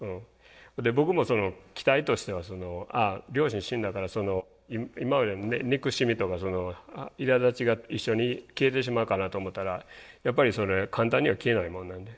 僕も期待としては両親死んだから今までの憎しみとかいらだちが一緒に消えてしまうかなと思ったらやっぱりそれ簡単には消えないもんなんで。